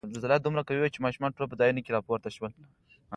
زلزله دومره قوي وه چې ماشومان ټول په ځایونو کې را پورته شول.